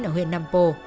ở huyện năm pồ